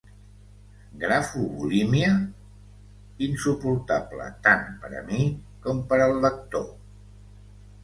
¿grafobulímia?— insuportable tant per a mi com per al lector.